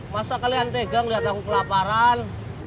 masa kalian tegang lihat aku kelaparan